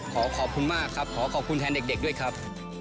ขอขอบคุณมากครับขอขอบคุณแทนเด็กด้วยครับ